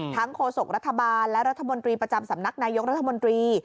โฆษกรัฐบาลและรัฐมนตรีประจำสำนักนายกรัฐมนตรี